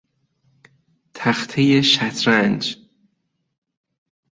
تختهی شطرنج